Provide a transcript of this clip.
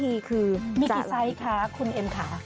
มีกี่ไซส์ค่ะคุณเอ็มคะ